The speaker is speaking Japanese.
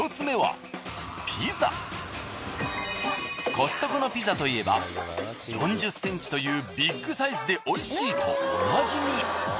コストコのピザといえば４０ｃｍというビッグサイズで美味しいとおなじみ。